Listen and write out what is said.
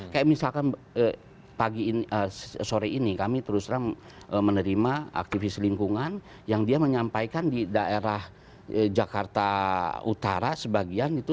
kayak misalkan pagi sore ini kami terus terang menerima aktivis lingkungan yang dia menyampaikan di daerah jakarta utara sebagian itu